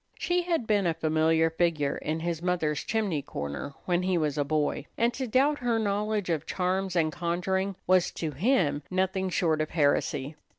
She had been a familiar figure in his mother's chimney corner when he was a boy, and to doubt her knowledge of charms and conjuring was to him nothing short of heresy.